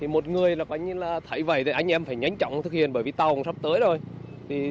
một người thấy vậy anh em phải nhanh chóng thực hiện bởi vì tàu sắp tới rồi